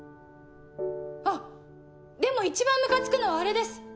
あっでも一番ムカつくのはあれです。